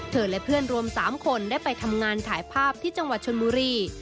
และเพื่อนรวม๓คนได้ไปทำงานถ่ายภาพที่จังหวัดชนบุรี